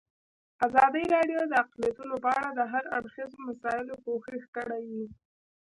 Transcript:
ازادي راډیو د اقلیتونه په اړه د هر اړخیزو مسایلو پوښښ کړی.